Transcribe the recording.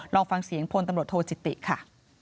ลองฟังเสียงพลตำรวจโทจิติค่ะ